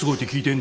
ん？